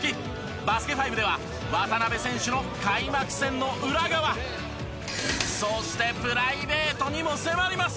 『バスケ☆ＦＩＶＥ』では渡邊選手の開幕戦の裏側そしてプライベートにも迫ります！